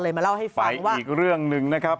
ก็เลยมาเล่าให้ฟังว่าไปอีกเรื่องนึงนะครับ